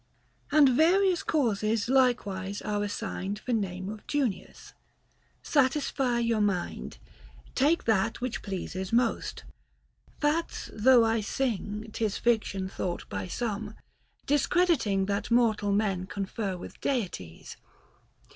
w various causes likewise are assigned 'or name of Junius : satisfy your mind ; Take that which pleases most ; facts though I sing 'Tis fiction thought by some, discrediting That mortal men confer with deities.